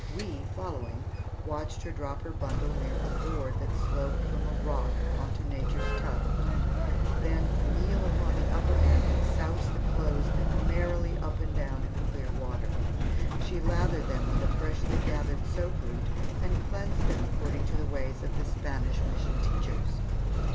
We, following, watched her drop her bundle near a board that sloped from a rock into nature's tub, then kneel upon the upper end and souse the clothes merrily up and down in the clear water. She lathered them with a freshly gathered soap root and cleansed them according to the ways of the Spanish mission teachers.